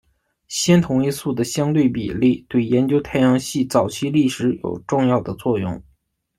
氙同位素的相对比例对研究太阳系早期历史有重要的作用。